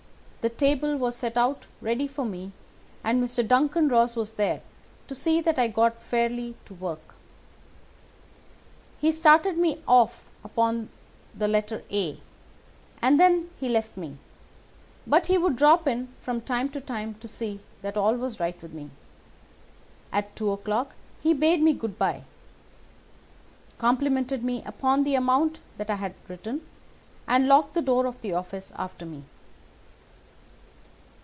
The table was set out ready for me, and Mr. Duncan Ross was there to see that I got fairly to work. He started me off upon the letter A, and then he left me; but he would drop in from time to time to see that all was right with me. At two o'clock he bade me good day, complimented me upon the amount that I had written, and locked the door of the office after me.